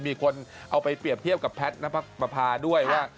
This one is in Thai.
มีคนเอาไปเปรียบเทียบกับแพทย์นับประพาด้วยว่า